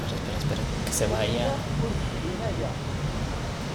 Crifa ur tefhim aya.